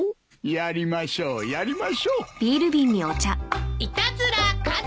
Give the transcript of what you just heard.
やりましょうやりましょう。